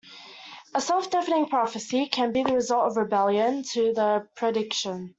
A self-defeating prophecy can be the result of rebellion to the prediction.